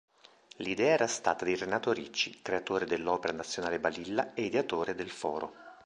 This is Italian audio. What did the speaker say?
L'idea era stata di Renato Ricci, creatore dell’Opera Nazionale Balilla e ideatore del Foro.